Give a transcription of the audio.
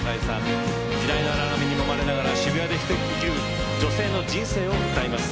時代の荒波にもまれながら渋谷で１人生きる女性の人生を歌います。